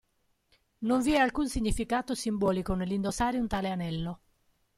Non vi è alcun significato simbolico nell'indossare un tale anello.